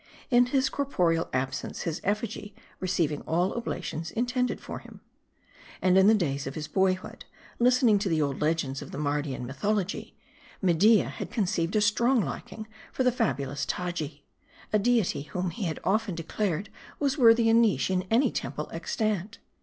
In his corporeal absence, his effigy receiving all oblations in tended for him. Arid in the days of his boyhood, listening to the old legends of the Mardian mythology, Media had conceived a strong liking for the fabulous Taji ; a deity whom he had often declared was worthy a niche in any temple extant.